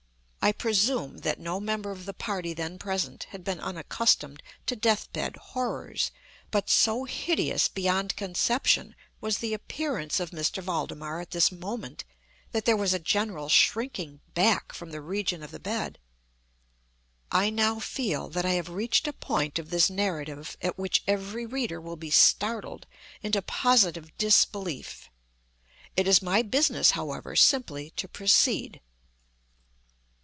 I presume that no member of the party then present had been unaccustomed to death bed horrors; but so hideous beyond conception was the appearance of M. Valdemar at this moment, that there was a general shrinking back from the region of the bed. I now feel that I have reached a point of this narrative at which every reader will be startled into positive disbelief. It is my business, however, simply to proceed.